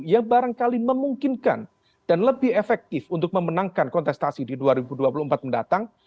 yang barangkali memungkinkan dan lebih efektif untuk memenangkan kontestasi di dua ribu dua puluh empat mendatang